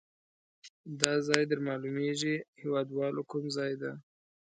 دا ځای در معلومیږي هیواد والو کوم ځای ده؟